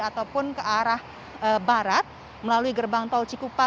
ataupun ke arah barat melalui gerbang tol cikupa